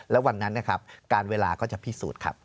แล้ววันนั้นนะครับการเวลาก็จะพิสูจน์ครับ